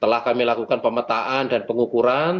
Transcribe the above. telah kami lakukan pemetaan dan pengukuran